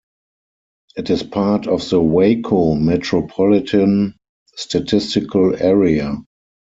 It is part of the Waco Metropolitan Statistical Area.